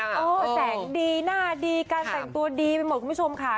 แสงดีหน้าดีการแต่งตัวดีไปหมดคุณผู้ชมค่ะ